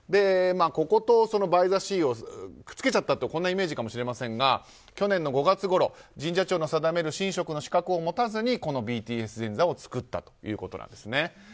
こことＢＹＴＨＥＳＥＡをくっつけちゃったとこんなイメージかもしれませんが去年の５月ごろ神社庁が定める神職の資格を持たずにＢＴＳ神社を作ったということです。